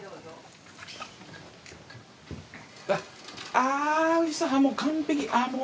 あぁおいしそう。